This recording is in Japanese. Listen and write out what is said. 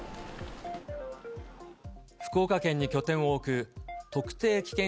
福岡県に拠点を置く特定危険